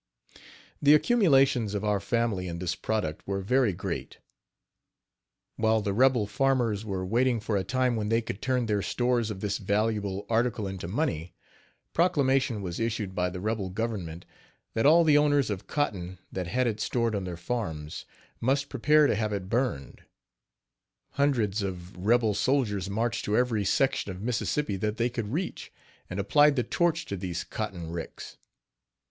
The accumulations of our family in this product were very great. While the rebel farmers were waiting for a time when they could turn their stores of this valuable article into money, proclamation was issued by the rebel government that all the owners of cotton that had it stored on their farms must prepare to have it burned, Hundreds of rebel soldiers marched to every section of Mississippi that they could reach, and applied the torch to these cotton ricks.